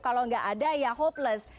kalau nggak ada ya hopeless